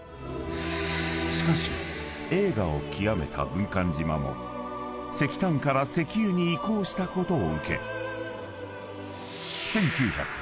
しかし栄華を極めた軍艦島も石炭から石油に移行したことを受け］